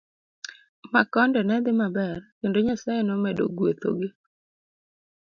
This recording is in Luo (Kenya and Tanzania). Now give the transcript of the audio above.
Makonde ne dhi maber kendo Nyasaye nomedo gwetho gi.